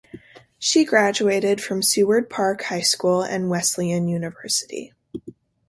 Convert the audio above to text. She graduated from Seward Park High School and Wesleyan University.